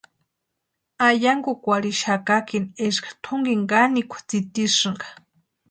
Eyankukwarhixakakini eska tʼunkini kanikwa tsítisïnka.